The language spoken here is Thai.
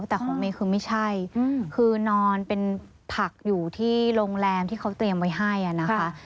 แต่ของเมย์คือไม่ใช่คือนอนเป็นผักอยู่ที่โรงแรมที่เขาเตรียมไว้ให้นะคะ